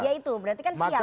ya itu berarti kan siap